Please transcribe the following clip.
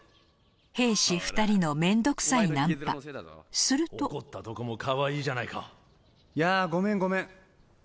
兵士２人の面倒くさいナンパすると怒ったとこもかわいいじゃないか。